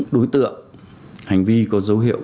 đối tượng hành vi có dấu hiệu